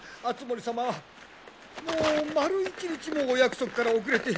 敦盛様はもう丸一日もお約束から遅れて。